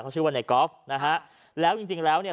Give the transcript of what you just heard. เขาชื่อว่าในกอล์ฟนะฮะแล้วจริงจริงแล้วเนี่ย